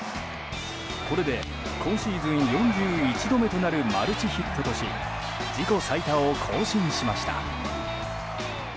これで今シーズン４１度目となるマルチヒットとし自己最多を更新しました。